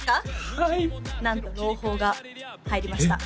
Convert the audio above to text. はいなんと朗報が入りましたえっ